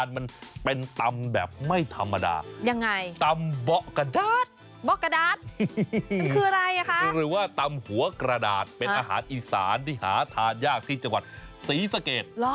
มันเป็นตำแบบไม่ธรรมดาตำเบาะกระดาษหรือว่าตำหัวกระดาษเป็นอาหารอีสานที่หาทานยากที่จังหวัดศรีสะเกต